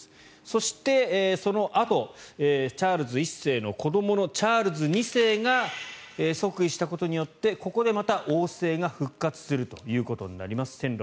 そして、そのあとチャールズ１世の子どものチャールズ２世が即位したことによってここでまた王政が復活するということになります。